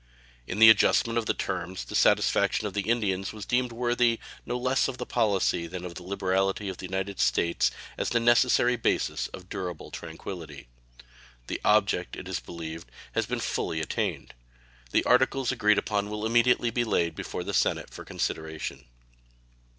In the adjustment of the terms the satisfaction of the Indians was deemed worthy no less of the policy than of the liberality of the United States as the necessary basis of durable tranquillity. The object, it is believed, has been fully attained. The articles agreed upon will immediately be laid before the Senate for their consideration.